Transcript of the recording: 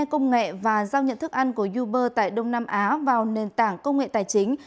công nghệ và giao nhận thức ăn của uber tại đông nam á vào nền tảng công nghệ tài chính